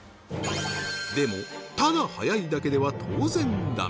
でもただ早いだけでは当然ダメ